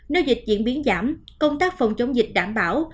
nếu dịch diễn biến giảm công tác phòng chống dịch đảm bảo